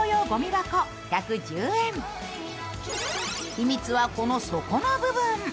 秘密はこの底の部分。